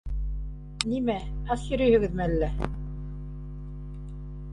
— Нимә, ас йөрөйһөгөҙмө әллә?